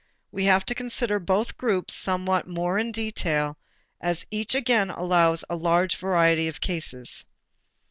We have to consider both groups somewhat more in detail, as each again allows a large variety of cases.